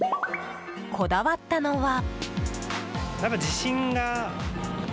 こだわったのは。